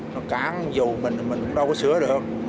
nó cán dù mình mình cũng đâu có sửa được